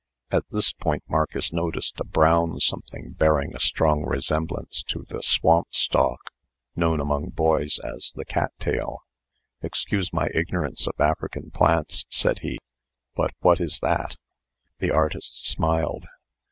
At this point, Marcus noticed a brown something bearing a strong resemblance to the swamp stalk, known among boys as the cattail. "Excuse my ignorance of African plants," said he; "but what is that?" The artist smiled.